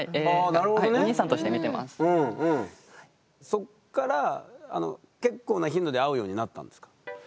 そっから結構な頻度で会うようになったんですか？